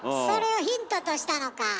それをヒントとしたのか。